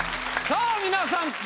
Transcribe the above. さあ皆さん